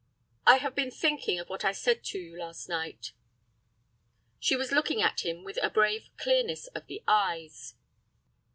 "I have been thinking of what I said to you last night." She was looking at him with a brave clearness of the eyes.